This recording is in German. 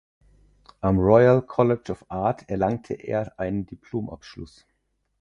Am Royal College of Art erlangte er einen Diplom-Abschluss.